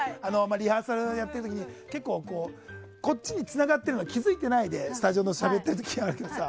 リハーサルやってる時に結構、こっちにつながってるの気づいていないでスタジオでしゃべっている時あるけどさ